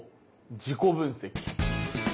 自己分析。